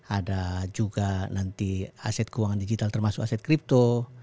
ada juga nanti aset keuangan digital termasuk aset kripto